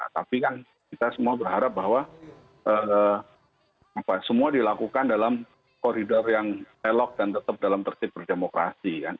tapi kan kita semua berharap bahwa semua dilakukan dalam koridor yang elok dan tetap dalam tertib berdemokrasi